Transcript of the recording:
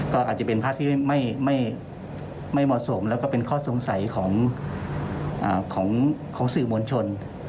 ก็อาจจะเป็นภาพที่ไม่เหมาะสมแล้วก็เป็นข้อสงสัยของสื่อมวลชน